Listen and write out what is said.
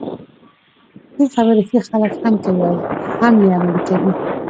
ښې خبري ښه خلک هم کوي او هم يې عملي کوي.